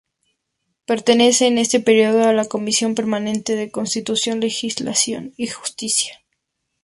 Perteneció en este período a la Comisión permanente de Constitución, Legislación y Justicia.